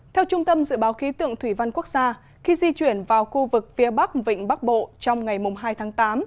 theo trung tâm dự báo khí tượng thủy văn quốc gia khi di chuyển vào khu vực phía bắc vịnh bắc bộ trong ngày hai tháng tám